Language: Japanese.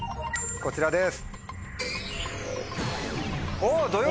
こちらです。